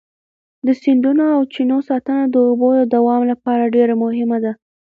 د سیندونو او چینو ساتنه د اوبو د دوام لپاره ډېره مهمه ده.